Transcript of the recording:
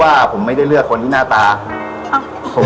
เราเจอเค้าในวันที่เรารำบาก